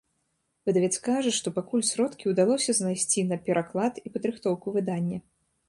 Выдавец кажа, што пакуль сродкі ўдалося знайсці на пераклад і падрыхтоўку выдання.